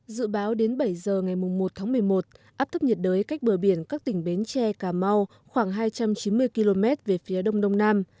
dự báo đến bảy giờ ngày một tháng một mươi một áp thấp nhiệt đới cách bờ biển các tỉnh bến tre cà mau khoảng hai trăm chín mươi km về phía đông đông nam